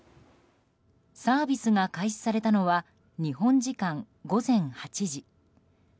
サービスが開始されたのは日本時間午前８時。